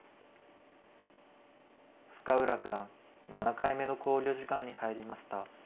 深浦九段７回目の考慮時間に入りました。